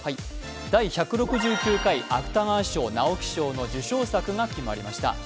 第１６９回芥川賞・直木賞の受賞作が決まりました。